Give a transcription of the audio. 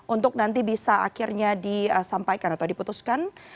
untuk nanti bisa akhirnya disampaikan atau diputuskan